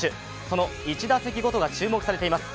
その１打席ごとが注目されています